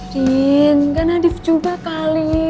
benar nggak juga nadif